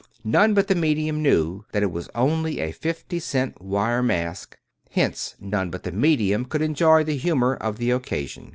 None but the medium knew that it was only a fifty cent wire mask, hence none but the medium could enjoy the humor of the occasion."